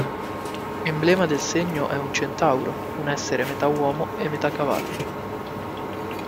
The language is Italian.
Emblema del segno è un centauro, un essere metà uomo e metà cavallo.